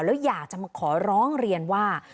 แล้วอยากจะมาขอร้องเรียนว่า